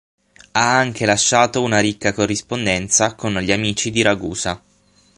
Ha anche lasciato una ricca corrispondenza con gli amici di Ragusa.